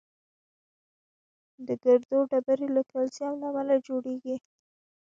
د ګردو ډبرې د کلسیم له امله جوړېږي.